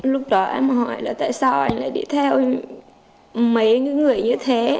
lúc đó em hỏi là tại sao anh lại đi theo mấy người như thế